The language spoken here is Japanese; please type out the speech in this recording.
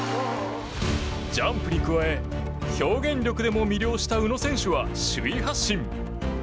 ジャンプに加え表現力でも魅了した宇野選手は首位発進。